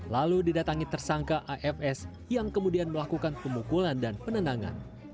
lalu didatangi tersangka afs yang kemudian melakukan pemukulan dan penendangan